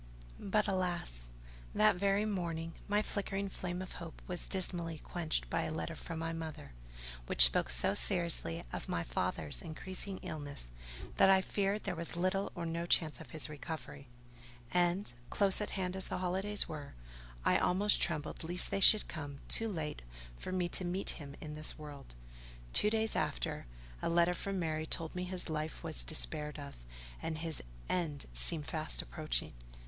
But alas! that very morning, my flickering flame of hope was dismally quenched by a letter from my mother, which spoke so seriously of my father's increasing illness, that I feared there was little or no chance of his recovery; and, close at hand as the holidays were, I almost trembled lest they should come too late for me to meet him in this world. Two days after, a letter from Mary told me his life was despaired of, and his end seemed fast approaching.